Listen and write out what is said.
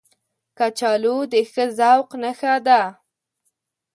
کچالو د ښه ذوق نښه ده